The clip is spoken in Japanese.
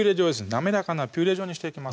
滑らかなピューレ状にしていきます